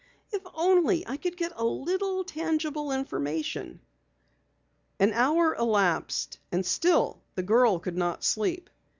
"If only I could get a little tangible information!" An hour elapsed and still the girl could not sleep.